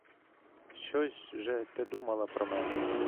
Щось же ти думала про мене?